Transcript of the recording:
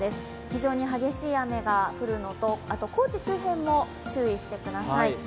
非常に激しい雨が降るのと、高知周辺も注意してください。